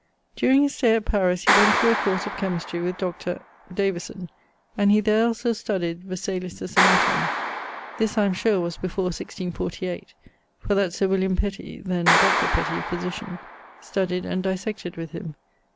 _> During his stay at Paris he went through a course of chymistry with Dr. ... Davison; and he there also studied Vesalius's Anatomie. This I am sure was before 1648; for that Sir William Petty (then Dr. Petty, physitian) studyed and dissected with him.